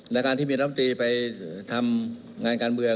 ในการที่มีลำตีไปทำงานการเมือง